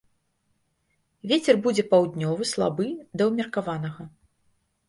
Вецер будзе паўднёвы слабы да ўмеркаванага.